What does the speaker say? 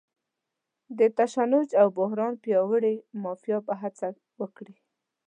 د تشنج او بحران پیاوړې مافیا به هڅه وکړي.